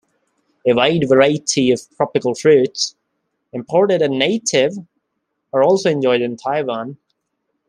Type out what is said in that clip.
A wide variety of tropical fruits, imported and native, are also enjoyed in Taiwan.